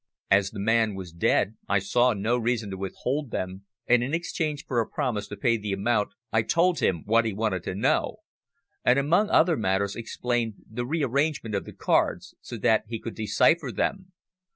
As the man was dead, I saw no reason to withhold them, and in exchange for a promise to pay the amount I told him what he wanted to know, and among other matters explained the rearrangement of the cards, so that he could decipher them.